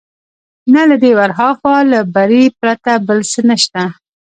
نه له دې ورهاخوا، له بري پرته بل څه نشته.